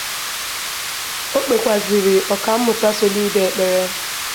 O kpekwazịịrị Ọkammụta Soludo ekpere